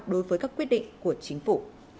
đối với các quyết định của chính phủ